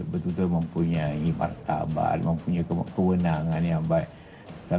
betul betul mempunyai martabat mempunyai kewenangan yang baik